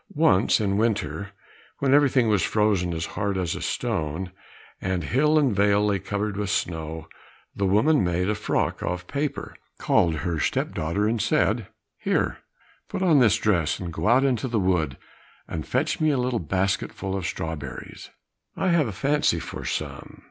Once, in winter, when everything was frozen as hard as a stone, and hill and vale lay covered with snow, the woman made a frock of paper, called her step daughter, and said, "Here, put on this dress and go out into the wood, and fetch me a little basketful of strawberries,—I have a fancy for some."